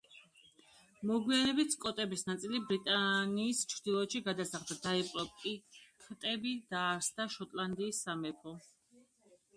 მოგვიანებით სკოტების ნაწილი ბრიტანიის ჩრდილოეთში გადასახლდა, დაიპყრო პიქტები და დააარსა შოტლანდიის სამეფო.